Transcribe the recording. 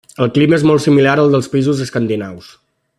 El clima és molt similar al dels països escandinaus.